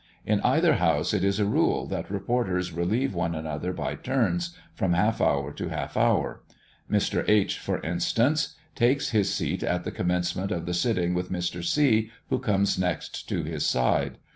In either house it is a rule that reporters relieve one another by turns, from half hour to half hour. Mr. H., for instance, takes his seat at the commencement of the sitting with Mr. C. who comes next by his side.